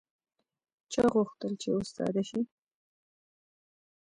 چا غوښتل چې استاده شي